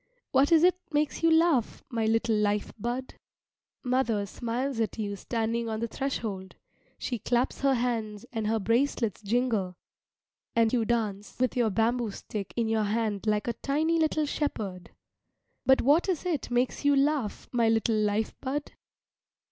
What is it makes you laugh, my little life bud? Mother smiles at you standing on the threshold. She claps her hands and her bracelets jingle, and you dance with your bamboo stick in your hand like a tiny little shepherd. But what is it makes you laugh, my little life bud?